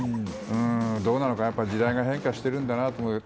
どうなのかな、時代が変化しているんだと思います。